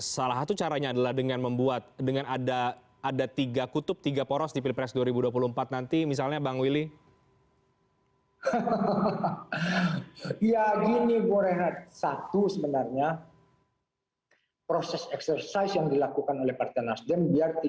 satu sebenarnya proses eksersis yang dilakukan oleh partai nasdem